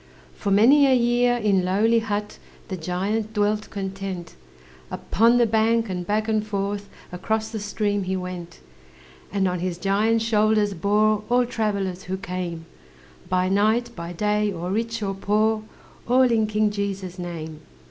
For many a year, in lowly hut, The giant dwelt content Upon the bank, and back and forth Across the stream he went; And on his giant shoulders bore All travellers who came, By night, by day, or rich or poor, All in King Jesus' name.